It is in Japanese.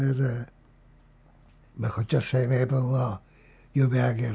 こっちは声明文を読み上げる。